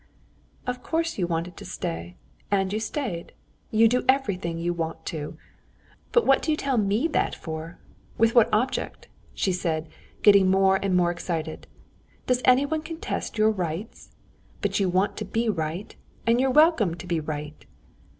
"Of course you wanted to stay, and you stayed. You do everything you want to. But what do you tell me that for? With what object?" she said, getting more and more excited. "Does anyone contest your rights? But you want to be right, and you're welcome to be right."